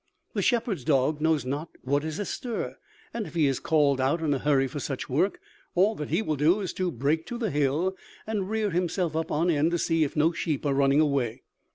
The shepherd's dog knows not what is astir; and, if he is called out in a hurry for such work, all that he will do is to break to the hill, and rear himself up on end to see if no sheep are running away.